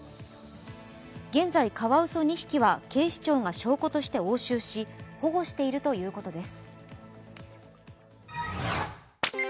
現在、カワウソ２匹は警視庁が証拠として押収し保護しているということです。